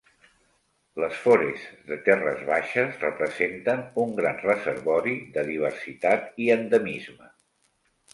Les forests de terres baixes representen un gran reservori de diversitat i endemisme.